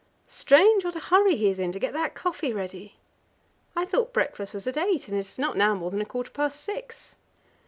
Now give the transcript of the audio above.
Strange, what a hurry he is in to get that coffee ready! I thought breakfast was at eight, and it is now not more than a quarter past six.